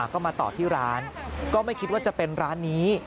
ก็มาต่อที่ร้านก็ไม่คิดว่าจะเป็นร้านนี้